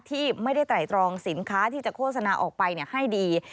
ที่ไม่ได้ไตรตรองสินค้าที่จะโฆษณาออกไปให้ดี